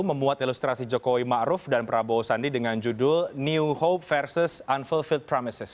memuat ilustrasi jokowi maruf dan prabowo sandi dengan judul new hope vs unfulfilled promises